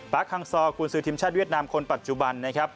ปาร์คฮังซออัดดิตกุญสือทีมชาติเวียดนามคนปัจจุบัน